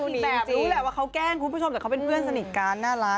คุณแตกรู้แหละว่าเขาแกล้งคุณผู้ชมแต่เขาเป็นเพื่อนสนิทกันน่ารัก